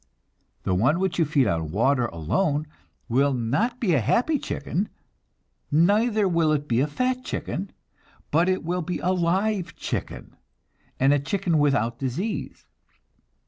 The one which you feed on water alone will not be a happy chicken, neither will it be a fat chicken, but it will be a live chicken, and a chicken without disease.